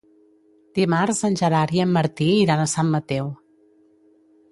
Dimarts en Gerard i en Martí iran a Sant Mateu.